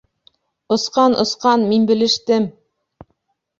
Осҡан, осҡан, мин белештем!